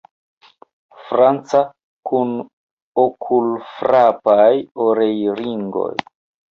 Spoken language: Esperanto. Franca, kun okulfrapaj orelringoj.